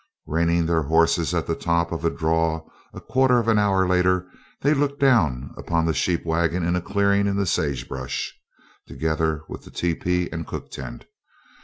Reining their horses at the top of a "draw" a quarter of an hour later they looked down upon the sheep wagon in a clearing in the sagebrush, together with the tepee and cook tent.